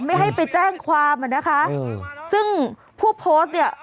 ไม่ให้ไปแจ้งความอ่ะนะคะอืมซึ่งผู้โพสต์เนี่ย